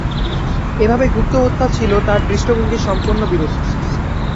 এভাবে গুপ্তহত্যা ছিল তাঁর দৃষ্টিভঙ্গির সম্পূর্ণ বিরোধী।